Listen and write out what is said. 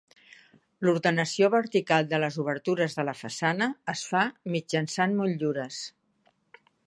L'ordenació vertical de les obertures de la façana es fa mitjançant motllures.